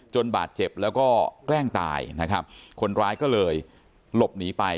บาดเจ็บแล้วก็แกล้งตายนะครับคนร้ายก็เลยหลบหนีไป